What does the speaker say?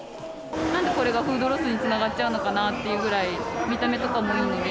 なんでこれがフードロスにつながっちゃうのかなっていうぐらい、見た目とかもいいので。